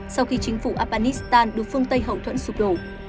sau khi chính phủ afghanistan được phương tây hậu thuẫn sụp đổ